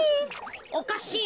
おかしいな。